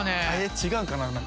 違うかな？